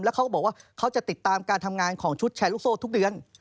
เขาก็บอกว่าเขาจะติดตามการทำงานของชุดแชร์ลูกโซ่ทุกเดือน